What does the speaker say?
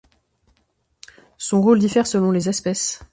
Son rôle diffère selon les espèces.